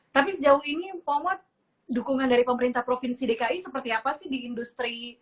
tapi sejauh ini pomod dukungan dari pemerintah provinsi dki seperti apa sih di industri